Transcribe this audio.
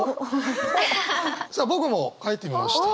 さあ僕も書いてみました。